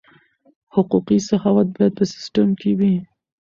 حقوقي سخاوت باید په سیستم کې وي.